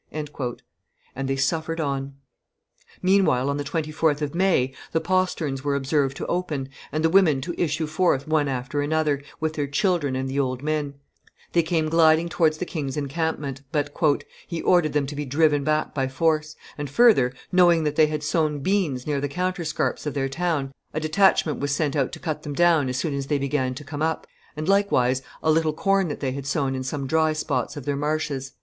And they suffered on. Meanwhile, on the 24th of May, the posterns were observed to open, and the women to issue forth one after another, with their children and the old men; they came gliding towards the king's encampment, but "he ordered them to be driven back by force; and further, knowing that they had sown beans near the counterscarps of their town, a detachment was sent out to cut them down as soon as they began to come up, and likewise a little corn that they had sown in some dry spots of their marshes."